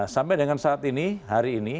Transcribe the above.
sampai dengan saat ini hari ini